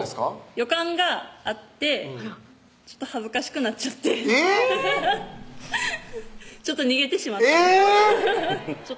予感があってちょっと恥ずかしくなっちゃってえぇっちょっと逃げてしまったえぇっ！